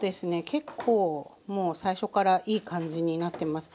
結構もう最初からいい感じになってます。